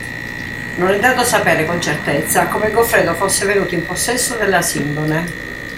Non è dato sapere con certezza come Goffredo fosse venuto in possesso della Sindone.